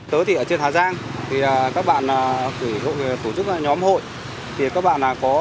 tư lý yêu cầu của công dân